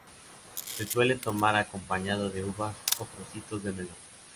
Se suele tomar acompañado de uvas o trocitos de melón.